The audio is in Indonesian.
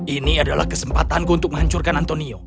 ini adalah kesempatanku untuk menghancurkan antonio